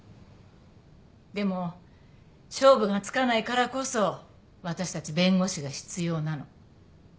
でも勝負がつかないからこそ私たち弁護士が必要なの。